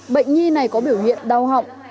bệnh nhi này có biểu hiện đau họng